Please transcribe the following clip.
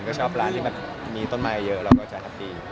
ก็ชอบร้านที่มีต้นไม้เยอะเราก็จะรับดี